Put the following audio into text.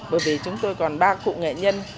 bởi vì chúng tôi còn ba cụ nghệ nhân